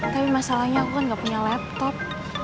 tapi masalahnya aku kan gak punya laptop